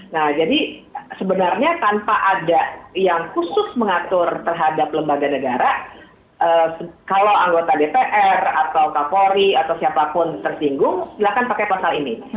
nah jadi sebenarnya tanpa ada yang khusus mengatur terhadap lembaga negara kalau anggota dpr atau kapolri atau siapapun tersinggung silahkan pakai pasal ini